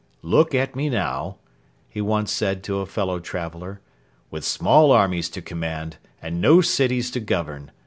'Look at me now,' he once said to a fellow traveller, 'with small armies to command and no cities to govern.